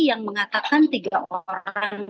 yang mengatakan tiga orang